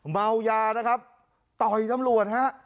เมายานะครับต่อยตำรวจฮะ